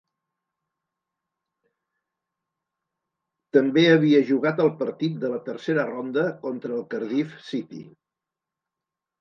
També havia jugat el partit de la tercera ronda contra el Cardiff City.